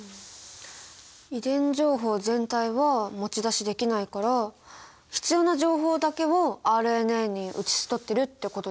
遺伝情報全体は持ち出しできないから必要な情報だけをＲＮＡに写し取ってるってことですかね？